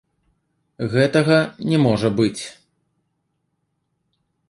Гэтага не можа быць.